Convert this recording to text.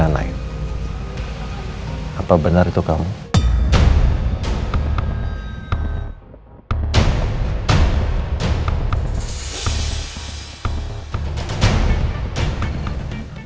jadi nikah nikah tidak kira kira canggung "